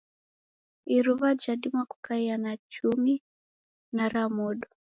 Iruwa jadima kukaia na chumi na ra modo.